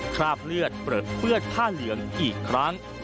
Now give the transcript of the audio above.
คราบเลือดเปลือเปื้อนผ้าเหลืองอีกครั้ง